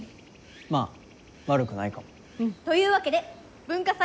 まぁ悪くないかも。というわけで文化祭